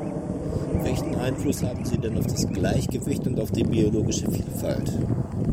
Welchen Einfluss haben sie denn auf das Gleichgewicht und auf die biologische Vielfalt?